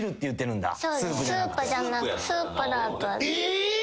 えっ！？